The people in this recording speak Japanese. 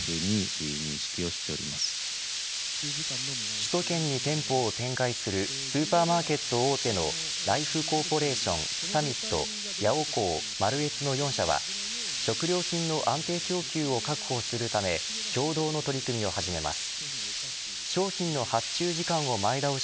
首都圏に店舗を展開するスーパーマーケット大手のライフコーポレーションサミットヤオコー、マルエツの４社は食料品の安定供給を確保するため共同の取り組みを始めます。